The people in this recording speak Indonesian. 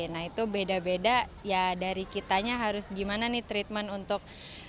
nah itu beda beda ya dari kitanya harus gimana nih treatment untuk